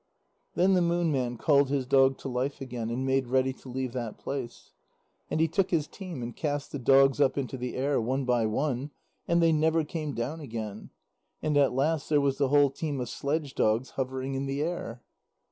Then the Moon Man called his dog to life again, and made ready to leave that place. And he took his team and cast the dogs up into the air one by one, and they never came down again, and at last there was the whole team of sledge dogs hovering in the air.